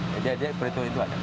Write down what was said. jadi ada beritau itu aja